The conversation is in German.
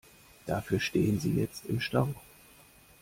Dafür stehen sie jetzt im Stau.